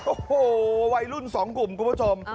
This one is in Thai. โอ้โหวัยรุ่นสองกลุ่มคุณผู้ชม